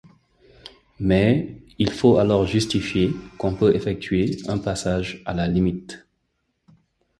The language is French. Mais il faut alors justifier qu'on peut effectuer un passage à la limite.